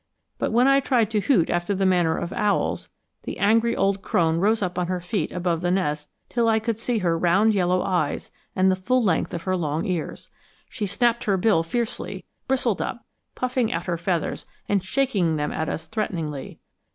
But when I tried to hoot after the manner of owls, the angry old crone rose up on her feet above the nest till I could see her round yellow eyes and the full length of her long ears. She snapped her bill fiercely, bristled up, puffing out her feathers and shaking them at us threateningly.